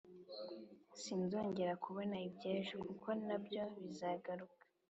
sinzongera kubona iby` ejo kuko ntabwo bizagaruka